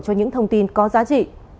cho những thông tin có giá trị